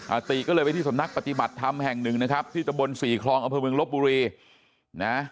ติก็เลยไปที่สำนักปฏิบัติธรรมแห่งหนึ่งนะครับที่ตะบนสี่คลองอำเภอเมืองลบบุรีนะ